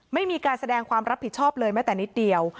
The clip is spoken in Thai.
ไม่มีการแสดงความรับผิดชอบเลยแม้แต่นิดเดียว